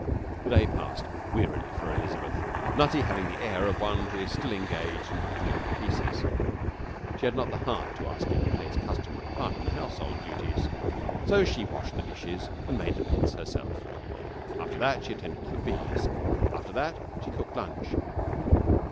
The day passed wearily for Elizabeth. Nutty having the air of one who is still engaged in picking up the pieces, she had not the heart to ask him to play his customary part in the household duties, so she washed the dishes and made the beds herself. After that she attended to the bees. After that she cooked lunch.